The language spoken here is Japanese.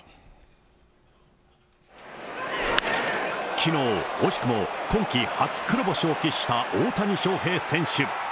きのう、惜しくも今季初黒星を喫した大谷翔平選手。